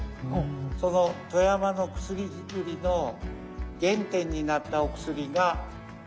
その富山の薬売りの原点になったお薬が反魂丹。